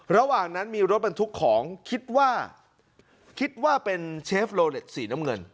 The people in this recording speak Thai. ระหว่างนั้นมีรถบรรทุกของคิดว่าคิดว่าเป็นเชฟโลเล็ตสีน้ำเงิน